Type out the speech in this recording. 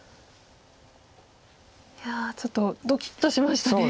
いやちょっとドキッとしましたね。